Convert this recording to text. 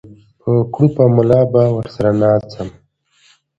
په کړوپه ملا به ورسره ناڅم